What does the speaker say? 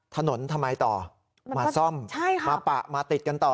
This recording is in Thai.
ถนนทำไมต่อมาซ่อมมาปะมาติดกันต่อ